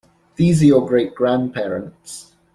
These are your great grandparents.